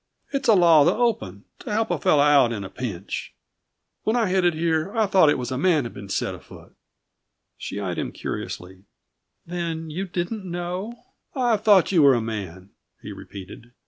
"It's a law of the open to help a fellow out in a pinch. When I headed for here, I thought it was a man had been set afoot." She eyed him curiously. "Then you didn't know " "I thought you were a man," he repeated.